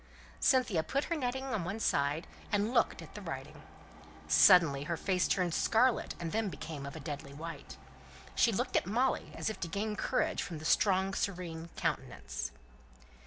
Cynthia put her netting on one side, and looked at the writing. Suddenly her face turned scarlet, and then became of a deadly white. She looked at Molly, as if to gain courage from the strong serene countenance.